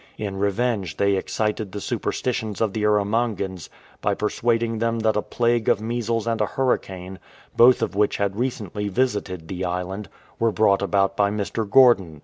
In revenge they excited the superstitions of the Erromangans by per suading them that a plague of measles and a hurricane, both of which had recently visited the island, w^ere brought about by Mr. Gordon.